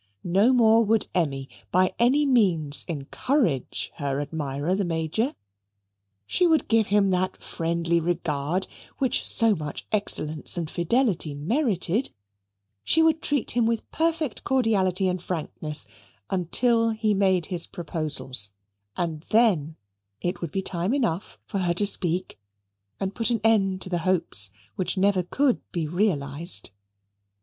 No more would Emmy by any means encourage her admirer, the Major. She would give him that friendly regard, which so much excellence and fidelity merited; she would treat him with perfect cordiality and frankness until he made his proposals, and THEN it would be time enough for her to speak and to put an end to hopes which never could be realized.